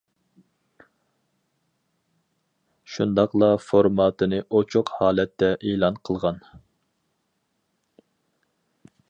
شۇنداقلا فورماتىنى ئوچۇق ھالەتتە ئېلان قىلغان.